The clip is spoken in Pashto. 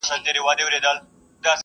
د غم او پاتا پر کمبله کښېناوه `